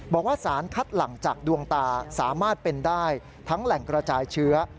บอกว่าสารคัดหลังจากดวงตาสามารถเป็นได้ทั้งแหล่งกระจายเชื้อ